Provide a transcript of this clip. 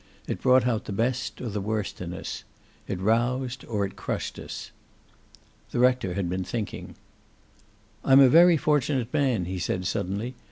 It brought out the best or the worst in us. It roused or it crushed us. The rector had been thinking. "I'm a very fortunate man," he said, suddenly.